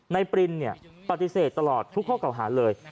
ปรินปฏิเสธตลอดทุกข้อเก่าหาเลย